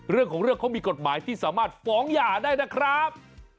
เรื่องของเรื่องเขามีกฎหมายที่สามารถฟ้องหย่าได้นะครับ